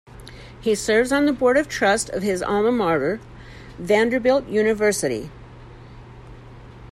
He serves on the board of trust of his alma mater, Vanderbilt University.